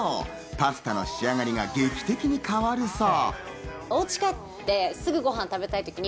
パスタに仕上がりが劇的に変わるそう。